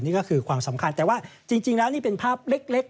นี่ก็คือความสำคัญแต่ว่าจริงแล้วนี่เป็นภาพเล็ก